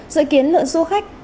dự kiến lượng du khách